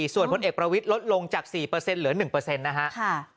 ส่วนพลเอกประวิทย์ลดลงจาก๔เหลือ๑นะฮะ